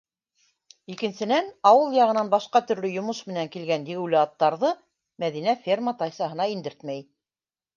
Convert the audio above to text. Икенсенән, ауыл яғынан башҡа төрлө йомош менән килгән егеүле аттарҙы Мәҙинә ферма тайсаһына индертмәй.